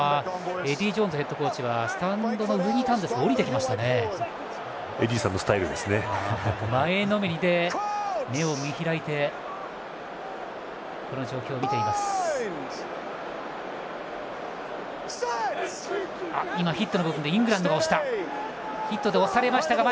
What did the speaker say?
エディー・ジョーンズヘッドコーチはスタンドの上にいたんですが下りてきましたね。